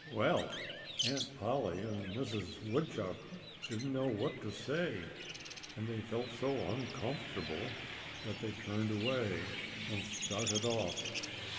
(Page 49)] Well, Aunt Polly and Mrs. Woodchuck didn't know what to say. And they felt so uncomfortable that they turned away and started off.